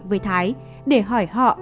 với thái để hỏi họ